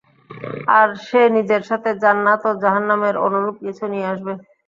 আর সে নিজের সাথে জান্নাত ও জাহান্নামের অনুরূপ কিছু নিয়ে আসবে।